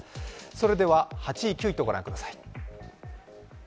それでは８位、９位とご覧ください。